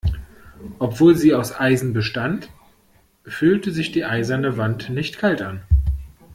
Obwohl sie aus Eisen bestand, fühlte sich die eiserne Wand nicht kalt an.